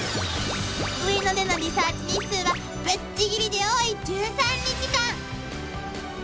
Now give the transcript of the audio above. ［上野でのリサーチ日数はぶっちぎりで多い１３日間］